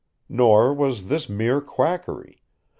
Nor was this mere quackery.